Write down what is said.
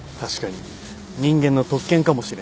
人間の特権かもしれない。